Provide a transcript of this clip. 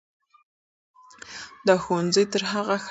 دا ښوونځی تر هغه ښه ده.